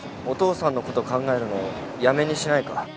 お父さんのこと考えるのやめにしないか？